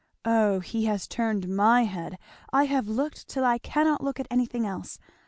O he has turned my head; I have looked till I cannot look at anything else.